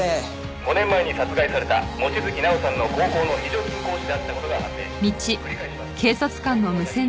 「５年前に殺害された望月奈緒さんの高校の非常勤講師であった事が判明」「繰り返します。